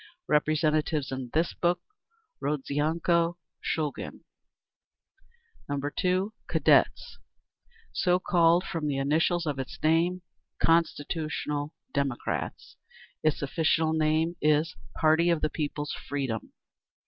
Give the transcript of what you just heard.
Representatives in this book, Rodzianko, Shulgin. 2. Cadets. So called from the initials of its name, Constitutional Democrats. Its official name is "Party of the People's Freedom."